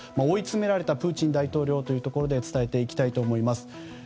追い詰められたプーチン大統領というところで伝えていきたいと思います。